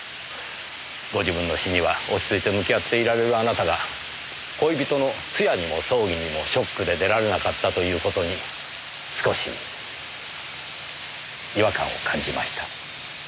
ご自分の死には落ち着いて向き合っていられるあなたが恋人の通夜にも葬儀にもショックで出られなかったという事に少し違和感を感じました。